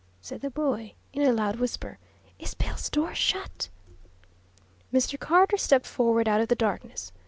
said the boy, in a loud whisper. "Is Bill's door shut?" Mr. Carter stepped forward out of the darkness.